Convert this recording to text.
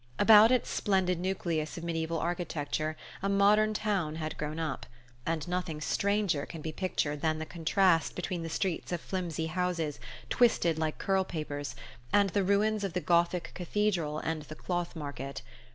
About its splendid nucleus of mediaeval architecture a modern town had grown up; and nothing stranger can be pictured than the contrast between the streets of flimsy houses, twisted like curl papers, and the ruins of the Gothic Cathedral and the Cloth Market.